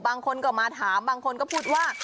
บางคนก็มาถามบางคนก็พูดว่า